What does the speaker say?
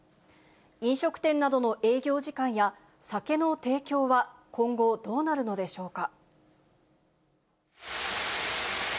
飲食店などの営業時間や酒の提供は今後、どうなるのでしょうか。